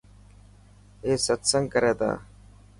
اي ستسنگ ڪري تا.